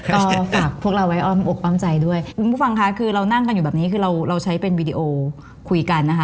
ก็ฝากพวกเราไว้อ้อมอกอ้อมใจด้วยคุณผู้ฟังค่ะคือเรานั่งกันอยู่แบบนี้คือเราเราใช้เป็นวีดีโอคุยกันนะคะ